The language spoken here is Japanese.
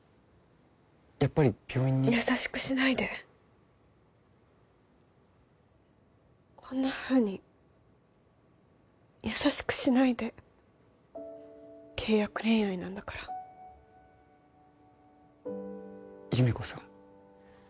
やっぱり病院に優しくしないでこんなふうに優しくしないで契約恋愛なんだから優芽子さん？